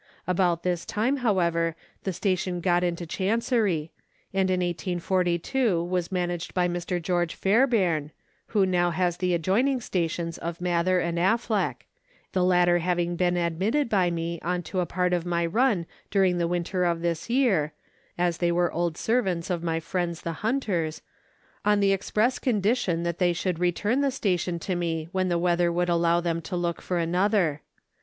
About this time, however, the station got into Chancery, and in 1842 was managed by Mr. George Fairbairn, who now has the adjoining stations of Mather and Affleck, the latter having been admitted by me on to a part of my run during the winter of this year (as they were old servants of my friends the Hunters) on the express condition that they should return the station to me when the weather would allow them to look for another.